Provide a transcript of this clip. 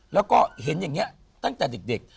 แล้วก็เห็นอย่างนี้ตั้งแต่เด็ก